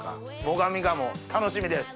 最上鴨楽しみです。